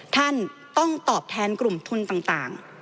ท่านต้องตอบแทนกลุ่มทุนต่าง